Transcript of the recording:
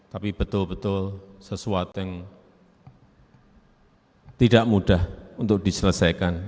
tapi betul betul sesuatu yang tidak mudah untuk diselesaikan